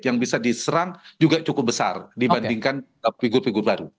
yang bisa diserang juga cukup besar dibandingkan figur figur baru